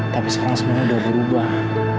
tapi sekarang semua udah berubah